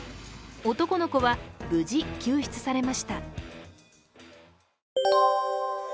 男の子は無事救出されました。